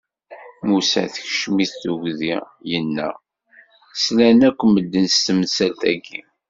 Musa tekcem-it tugdi, inna: Slan akk medden s temsalt-agi!